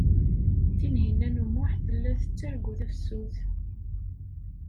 Tinhinan u Muḥ tella tettargu tafsut.